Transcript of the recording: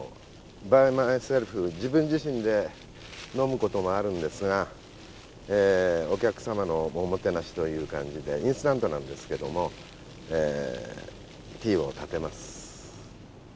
バイマイセルフ自分自身で飲む事もあるんですがお客様のおもてなしという感じでインスタントなんですけどもティーを点てます。